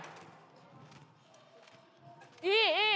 いいいい。